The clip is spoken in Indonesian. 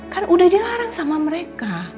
kan udah dilarang sama mereka